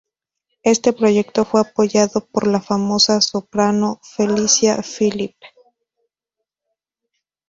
Este proyecto fue apoyado por la famosa soprano Felicia Filip.